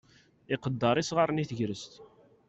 Iqedder isɣaren i tegrest.